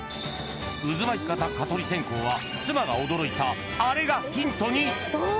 うずまき型蚊取り線香は妻が驚いたあれがヒントに。